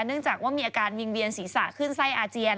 เนื่องจากว่ามีอาการวิ่งเวียนศีรษะขึ้นไส้อาเจียน